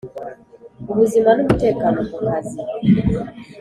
Ubuzima n umutekano ku kazi